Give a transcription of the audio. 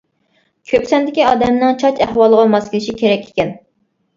كۆپ ساندىكى ئادەمنىڭ چاچ ئەھۋالىغا ماس كېلىشى كېرەك ئىكەن.